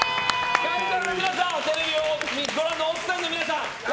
会場の皆さんテレビをご覧の奥さんの皆さん笑